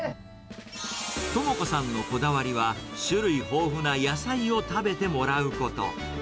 知子さんのこだわりは、種類豊富な野菜を食べてもらうこと。